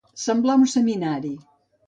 Semblar un seminari.